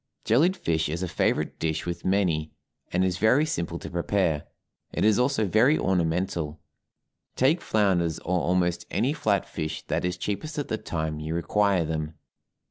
Jellied fish is a favorite dish with many, and is very simple to prepare; it is also very ornamental. Take flounders or almost any flat fish that is cheapest at the time you require them.